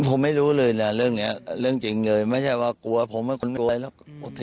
ผมไม่รู้เลยเนาะเรื่องจริงเลยไม่ใช่ว่ากลัวผมก็กลัวแรบ